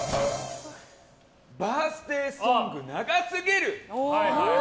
バースデーソング長すぎる。